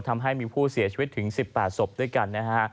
ทำให้มีผู้เสียชีวิตถึง๑๘ศพด้วยกันนะฮะ